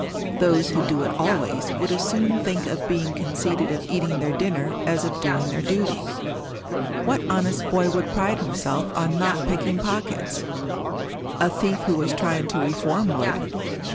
Those who do it always would as soon think of being conceited of eating their dinner as of doing their duty. What honest boy would pride himself on not picking pockets? A thief who was trying to reform would.